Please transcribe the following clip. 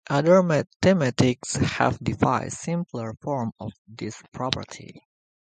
Other mathematicians have devised simpler forms of this property.